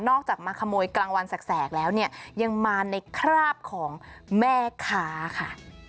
จากมาขโมยกลางวันแสกแล้วเนี่ยยังมาในคราบของแม่ค้าค่ะ